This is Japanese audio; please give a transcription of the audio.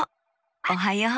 おはよう。